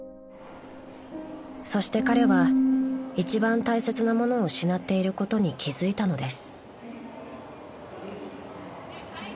［そして彼は一番大切なものを失っていることに気付いたのです］